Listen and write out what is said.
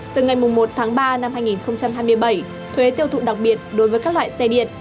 từ ngày một tháng ba năm hai nghìn hai mươi bảy thuế tiêu thụ đặc biệt đối với các loại xe điện